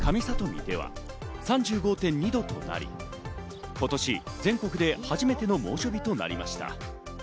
見では３５．２度となり、今年全国で初めての猛暑日となりました。